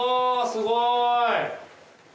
舛すごい！